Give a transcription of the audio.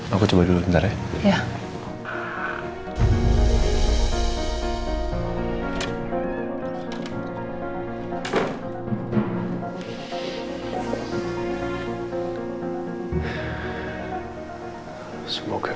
aku coba dulu sebentar ya